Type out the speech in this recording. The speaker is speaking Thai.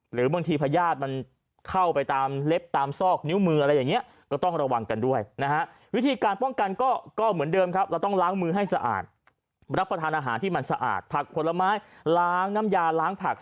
หรือบางทีพญาติเข้าไปตามเล็บตามซอกนิ้วมืออะไรอย่างนี้